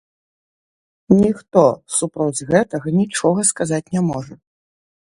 Ніхто супроць гэтага нічога сказаць не можа.